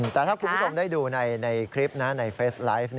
แต่ถ้าคุณผู้ชมได้ดูในคลิปนะในเฟสไลฟ์